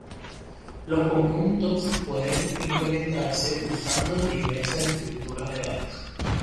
Los conjuntos pueden implementarse usando diversas estructuras de datos.